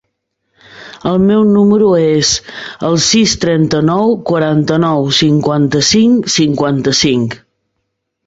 El meu número es el sis, trenta-nou, quaranta-nou, cinquanta-cinc, cinquanta-cinc.